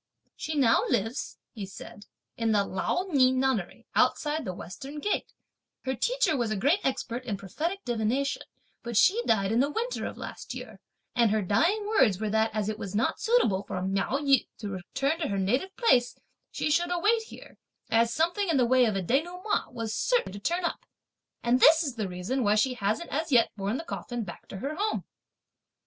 She now lives," he said, "in the Lao Ni nunnery, outside the western gate; her teacher was a great expert in prophetic divination, but she died in the winter of last year, and her dying words were that as it was not suitable for (Miao Yü) to return to her native place, she should await here, as something in the way of a denouement was certain to turn up; and this is the reason why she hasn't as yet borne the coffin back to her home!"